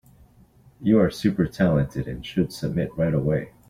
You are super talented and should submit right away.